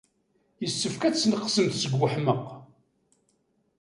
Yessefk ad tesneqsemt seg weḥmaq.